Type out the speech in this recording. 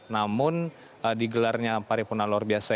namun di gelarnya itu tidak berhasil